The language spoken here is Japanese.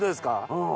うん。